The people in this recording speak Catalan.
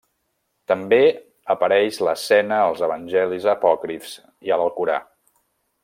També apareix l'escena als evangelis apòcrifs i a l'Alcorà.